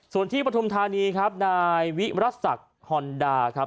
ส่วนที่ปฐุมธานีครับนายวิรัติศักดิ์ฮอนดาครับ